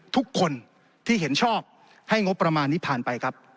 ทุกคนที่เห็นชอบให้งบประมาณนี้ผ่านไปครับ